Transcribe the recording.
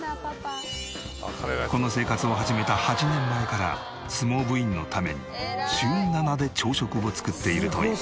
この生活を始めた８年前から相撲部員のために週７で朝食を作っているという。